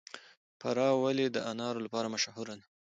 فراه ولې د انارو لپاره مشهوره ده؟